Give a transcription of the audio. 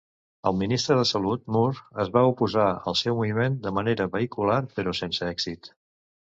El ministre de Salut, Moore, es va oposar al seu moviment de manera vehicular però sense èxit.